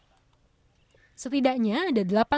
jadi kita bisa mendapatkan keuntungan untuk kembali ke hortikultura